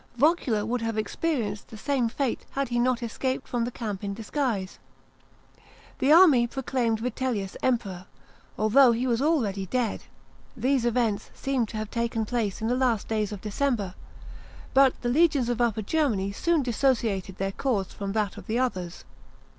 Vocula would have experience*! the same fate had he Dot escaped from the camp in disguise. The army proclaimed Vitellius Emperor, although he was al eady dead (?hese events seem to have taken place in the last days of December). But the legions of Upper Germany soon dissociated tneir cause from that of the others.